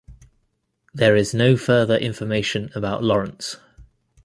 There is no further information about Lawrence.